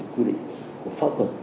quy định pháp luật